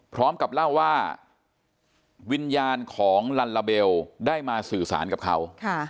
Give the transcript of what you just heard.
พร้อมกับเล่าว่าวิญญาณของลัลลาเบลได้มาสื่อสารกับเขา